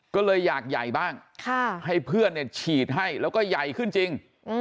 ก็เลยอยากใหญ่บ้างให้เพื่อนฉีดให้แล้วก็ใหญ่ขึ้นจริง